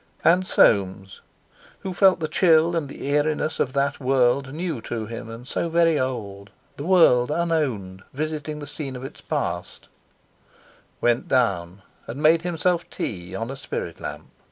And Soames, who felt the chill and the eeriness of that world—new to him and so very old: the world, unowned, visiting the scene of its past—went down and made himself tea on a spirit lamp.